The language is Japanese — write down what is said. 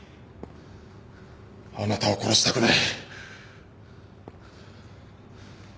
あなたを殺したくない。